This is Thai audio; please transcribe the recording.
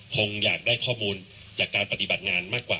คงอยากได้ข้อมูลจากการปฏิบัติงานมากกว่า